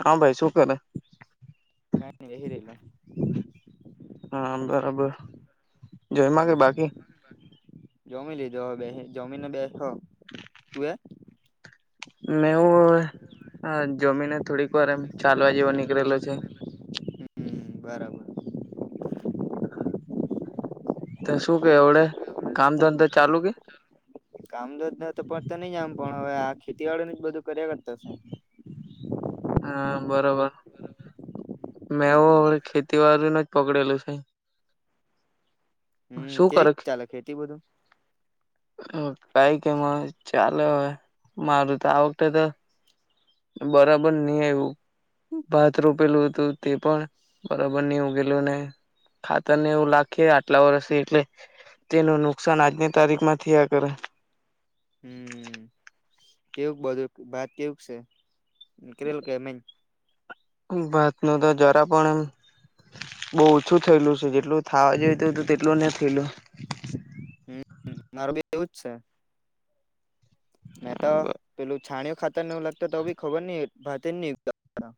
હા, ભાઈ શું કરે? કઈ બેહી રહેલો હા, બરાબર જયમાં કે હમ બાકી? જમી લીધો. બેહી જમીને બેઠો તું એ? મે હું હવે જમીને થોડીક વાર એમ ચાલવા જેવો નીકળેલો છે. હમ્મ બરાબર. ત શું કે હવડે કામ ધંધા જ ચાલુ કે કામધંધા પર તો ની જામ પણ હવે આ ખેતીવાડીનું જ બધું કર્યા કરતો છું. હા બરોબર મેંવું હ ખેતીવાડીનું જ પકડેલું છે. હમ્મ શું કેવીક ચાલે ખેતી બધું. હમ્મ કાંઈ કેમ ચાલે હવે મારું તો આ વખતે તો બરાબર નહી આવ્યું ભાત રોપેલું હતું તે પણ બરાબર નહી ઉગેલું ને ખાતરને એવું લાખીયે આટલા વર્ષથી એટલે તેનું નુકસાન આજની તારીખમાં થીયા કરે. હમ કેવુંક બધું ભાત કેવુંક છે. નીકળેલ કે એમ ભાતનું તો જરા તો પણ બહું ઓછું થયેલું છે. જેટલું થાવા જોઈતું હતું તેટલું ન થયેલું. હમ્મ મારું બી એવુંજ છે. મેં તો પેલું છાણ્યુ... ખાતર ને એવું લાખતા તો બી ખબર ની ભાતે જ ની [unintelligible]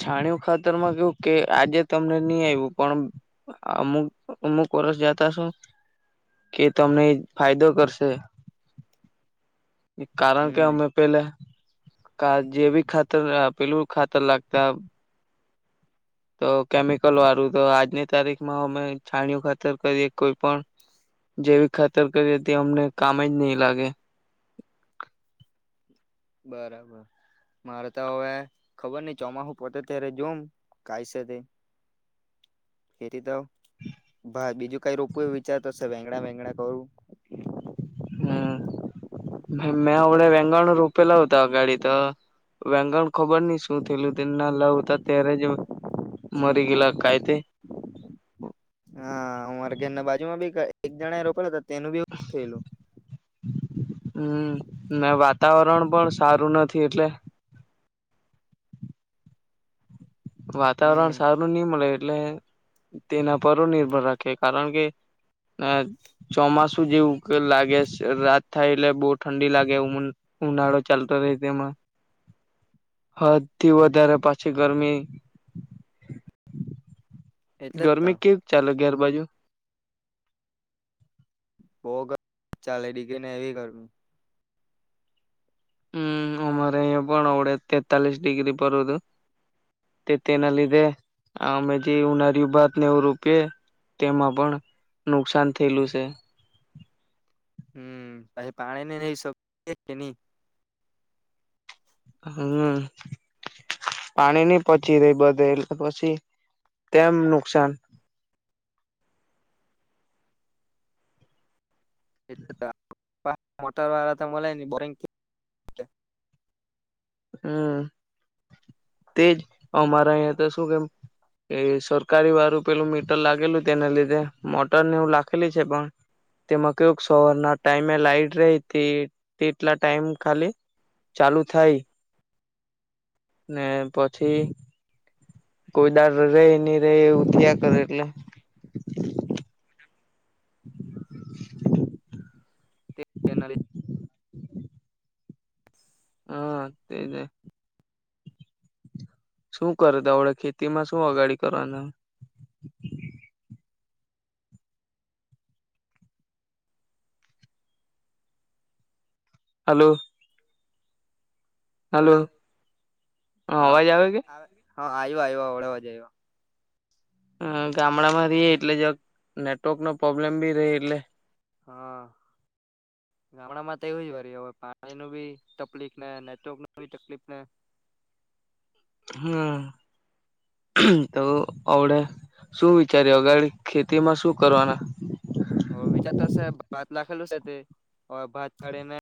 છાણ્યું ખાતરમાં કેવું કે આજે તમને ની આયવું પણ અમુક અમુક વર્ષ જતા શું કે તમને એ ફાયદો કરશે. કારણ કે હમ અમે પેલે... કા જે બી ખાતર પેલું ખાતર લાખતા. તો કેમિકલ વાળું તો આજની તારીખમાં અમે છાણિયું ખાતર કરીએ કોઈ પણ જેૈવીક ખાતર કરીએ તે અમને કામ જ ની લાગે. બરાબર મારે તો હવે ખબર નઈ ચોમાહું પતે ત્યારે જોમ કાયસે તે, ખેતી તો... ભા બીજું કઈ રોપું એવું વિચારતોશે. વેંગડા વેંગડા કરું. હમ મેં અવઢે વેંગણ રોપેલા હતા અગાડી તો, વેંગણ ખબર નહી શું થેયલું તે નાલા ઉતા ત્યારે જ મરી ગયેલા કાયતે... હા અમારે ઘેર ના બાજુમાં બી એક એક જણા એ રોપેલુ તો... તેનું બી એવું જ થેયલું. હમ ને વાતાવરણ પણ સારું નથી એટલે... હમ વાતાવરણ સારું ની મળે... એટલે તેના પર હો નિર્ભર રાખે, કારણ કે અ ચોમાસું જેવું લાગે રાત થાય એટલે બહુ ઠંડી લાગે ઉનાળો ચાલતો હોય તેમાં, હદ થી વધારે પાછી ગરમી... એટલે જ તો ગરમી કેવીક ચાલે ઘેર બાજુ. બો ગ ચાલે ડીગ્રી ને એવી ગરમી. હમ અમારે અહીયા પણ અવડે તેતાલીસ ડિગ્રી પરું હતું, તે તેના લીધે આ અમે જે ઉનાળિયુ ભાત ને એવું રોપીયે, તેમાં પણ નુકસાન થેયલું છે. હમ પછી પાણી ની રેઈ શ કે કે ની. હમ પાણીની પછી રેય બધે પછી તેમ નુકસાન. એ મોટર વાળા તો મલે ની બોરિંગ [unintelligible] હમ તેજ અમારા અહીયા તો શું કે સરકારી વારું પેલું મીટર લાગેલું તેના લીધે મોટર ને એવું લાખેલી છે પણ તેમાં કેવુંક સવાર ના ટાઈમે લાઈટ રહી તે તેટલા ટાઈમ ખાલી ચાલુ થાય. ને પછી કોઈદાર રેય ની રેય એવું... ત્યા કરે એટલે. [inaudible] તે તેનાલી હા, તેને. શું કરે તો અવડે ખેતીમાં શું અગાડી કરવાના. હાલો. હલો હ હા અવાજ હા આવે કે. હા આયવો આયવો અવડે અવાજ આયવો. હ ગામડા માં રીયે એટલે જરાક નેટવર્ક નો પ્રોબ્લેમ બી રેય એટલે. હા ગામડામાં તો એવું જ વરી હવે પાણી નું બી તકલીફ ને નેટવર્ક નું બી તકલીફને... હમ તો અવડે શું વિચાર્યું અગાળી ખેતી માં શું કરવાના. ઓ વિચાર તો સે ભાત લાખલું સે તે અ ભાત કાઢીને...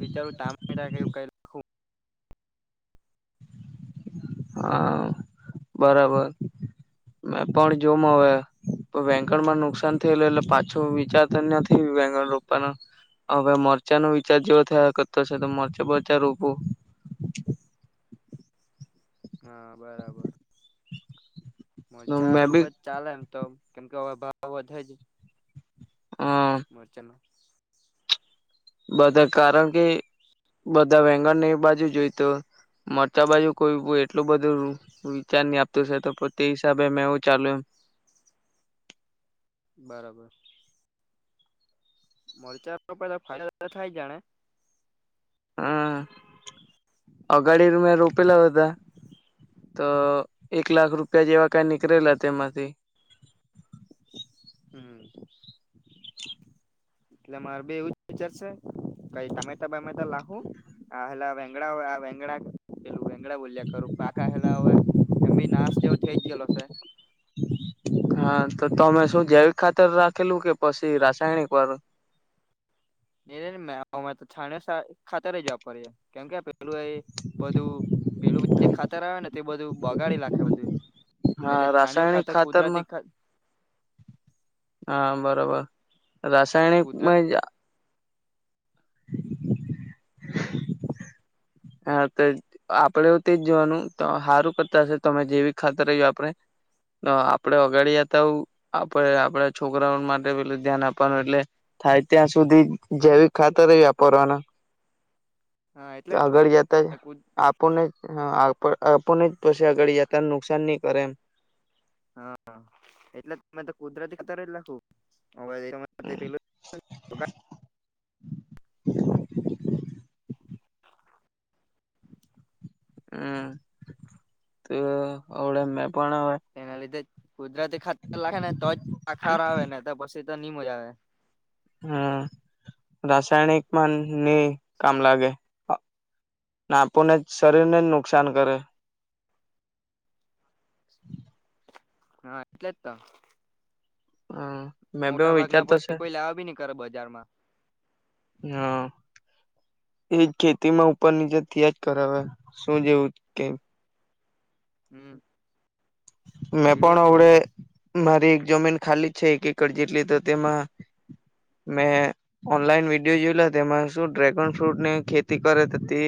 વિચારું ટામેટા કે એવું કંઈ લાખહુ... હા બરાબર મે પણ જોમ હવે વેંંગણ માં નુકસાન થયેલું એટલે પાછો વિચાર તો નથી વેંગણ રોપવાનો હવે મરચાં નો વિચાર જેવો થયા કરતો છે તો મરચા બરચા રોપું. હા બરાબર. મરચા મેં બી રીપેર તો ચાલે એમ તો... કેમ કે અવે ભાવ વધહે જ. અ મરચાનો બધા કારણ કે બધા વેંગણની બાજુ જોય તો મરચા બાજુ કોઈ એટલું બધું વિચાર ની આપતું છે તો પ તે હિસાબે મેં એવું ચાલુ બરાબર. મરચા [unintelligible] ફાયદા થાય જાણે હમ અગાડી મેં રોપેલા ઉતા તો એક લાખ રૂપિયા જેવા કઈ નીકળેલા તેમાંથી હમ્મ, એટલે મારે બી એવું જ વિચાર સે કઈ તામેતા બમેતા લાખું આ હેલા વેંગણા આ વેંગણા આંગડા બુલ્યા કરું પાકા હેલા અવે એમ બી નાશ જેવો થેઈ જ ગેલો છે હા તો તમે શું જૈવિક ખાતર રાખેલું કે પછી રાસાયણિક વારુ એજ મેં અમાર તો છાણિયા સા ખાતર જ વાપરીએ કેમ કે પે લું એ બધું પેલું જે ખાતર આવે ને તે બધું બગાડી લાખે બધી હા, રાસાયણિક ખાતરમાં, હા, બરોબર. રાસાયણિક કુદરતી માં જ હા તો આપડે હો તેજ જોવાનું તો હારું કરતા હશે તમે જેવી ખાતરહ્યું આપણે અ આપડે અગાડી જાતા હો આપડે આપડા છોકરાઓ માટે પેલું ધ્યાન આપવાનું એટલે થાય ત્યાં સુધી જૈવીક ખાતર ઈઆપરવાનું હાં એટલે જ તો એ તો જ આપોને હં આપ આપડને જ પછી આગાળી જતા નુકસાન ની કરે એમ હા એટલે જ મેં તો કુદરતી ખાતર જ લાખુ [unintelligible] હમ્મ, તો હવડમ મે એના લીધે કુદરતી ખાતર લાખે ને તો જ આ ખાર આવે ને તો પછી નની મજા આવે. હમ્મ રાસાયણિકમાં ની કામ લાગે. ને આપુને જ શરીર ને જ નુકસાન કરે. હા એટલે જ તો. હમ મેં બી મોટા એવો ભાગ ના વિચારતો છે પસે કોઈ લેવા બી ની કર બજારમાં. હા એજ ખેતીમાં ઉપર નીચે થયા જ કરે હવે. શું જેવું કેમ હમ્મ. મેં પણ આવડે મારી જમીન ખાલી જ છે એક એકર જેટલી તો તેમાં મેં ઓનલાઈન વિડીયો જોઈ લો. તેમાં શું ડ્રેગન ફ્રૂટ ની ખેતી કરે તો તે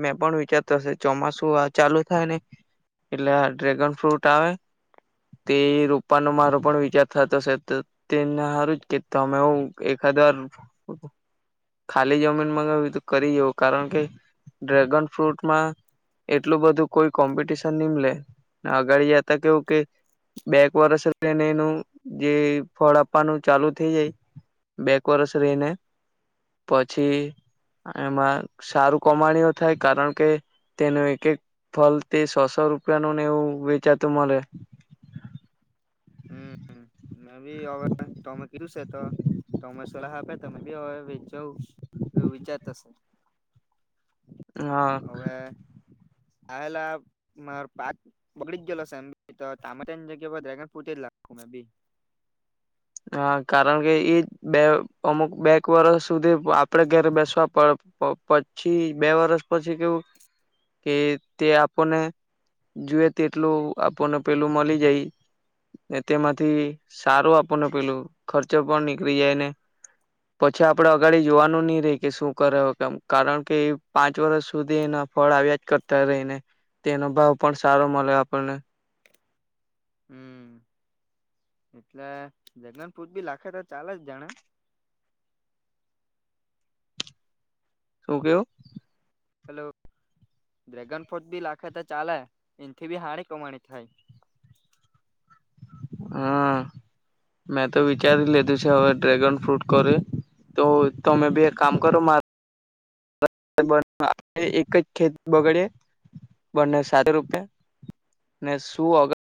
મેં પણ વિચારતો હશે. ચોમાસું આ ચાલુ થાય ને એટલે આ ડ્રેગન ફ્રૂટ આવે. તે રૂપાનો મારો પણ વિચાર થતો શે તો તેને સારું જ કે તમે હું એકાદ વાર ખાલી જમીન મગાવવી તો કરી જવ કારણ કે ડ્રેગન ફ્રૂટમાં એટલું બધું કોઈ કોમ્પિટિશન ની મલે ને આ આગાડી જતા કેવું કે બેએક વર્ષ રહીને એનું જે ફળ આપવાનું ચાલુ થઈ જાય બેએક વર્ષ રહીને પછી એમાં સારું કમાણીઓ થાય કારણ કે તેનું એક એક ફળ તે સોસો રૂપિયા નું ને એવું કે તુ મલે. હમ્મ, મે બી હવે તમે કીધું શે તો તમે સલાહ આપે તો બી હવે વિચા એવું વિચાર તો શે. હા. આવેલા માર પાક બગડી જ ગેલો સે એમ તો તામેતાની જગ્યા પર ડ્રેગન પોતે લાકો મે બી. હા કારણ કે એ બે અમુક બેક વર્ષ સુધી આપડે ઘરે બેસવા પડ પછી બે વર્ષ પછી કેવું કે તે આપણને જુએ તેટલું આપણને પેલું મળી જાય તેમાંથી સારું આપને પેલું ખર્ચો પણ નીકળી જાય ને પછી આપણે અગાડી જોવાનું નહી રહી કે શું કરે કેમ કારણ કે એ પાંચ વર્ષ સુધી એના ફળ આવ્યા જ કરતા રહી ને તેનો ભાવ પણ સારો મળે આપણને હમ. એટલે જગનપુટ બી લાખે તો ચાલે જ જાણે શું કેવું. હલો ડ્રેગન ફ્રૂટ બી લાખે તો ચાલે. એથી બી હાારી કમાણી થાય. હા મેં તો વિચારી લીધું છે હવે ડ્રેગન ફ્રૂટ કરે તો તોમે બી બે એક કામ કરો મારુ [unintelligible] આપ એક જ ખેત બગડીએ બંને સાત રૂપિયે ને શું અગર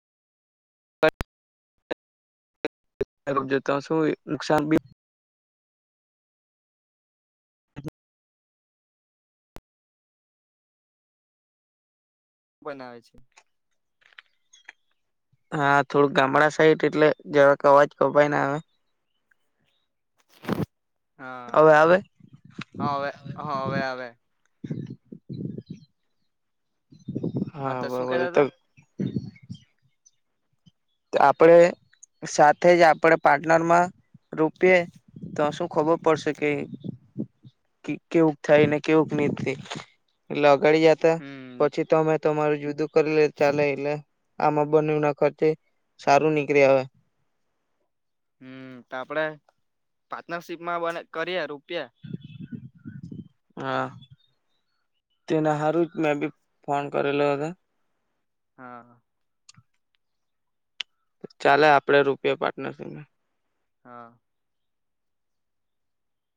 [inaudible] બનાવે છે. હા થોડુંક ગામડા સાઈટ એટલે જરાક અવાજ કપાય ને આવે. હા હવે આવે હા હવે હ હવે આવે. હા તો શું [unintelligible] કેતા તો હતા આપડે સાથે જ આપણે પાર્ટનરમાં રોપીએ તો શું ખબર પડશે કે કેવુંક થાય ને કેવુંક નહી થઈ એટ કરી જતા હમ પછી તો અમે તમારે જુદું કરી લે ચાલે એટલે આમાં બનેયું ના ખર્ચે સારું નીકળી આ. હમ્મ તો આપડે પાર્ટનરશીપમાં બને કરીએ રૂપિયા હા તેના હારું જ મેં બી ફોન કરેલો હતો. હા. ચાલે આપડે રૂપિયા પાર્ટનરશીપને હા.